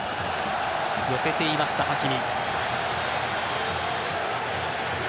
寄せていました、ハキミ。